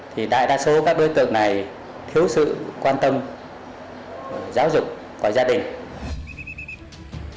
thì đại đa số các đối tượng này thiếu sự quan tâm giáo dục của gia đình